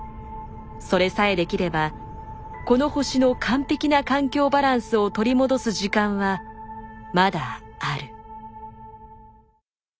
それさえできればこの星の完璧な環境バランスを取り戻す時間はまだある。